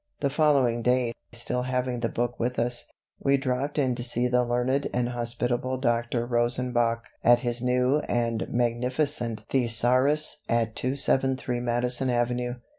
The following day, still having the book with us, we dropped in to see the learned and hospitable Dr. Rosenbach at his new and magnificent thesaurus at 273 Madison Avenue.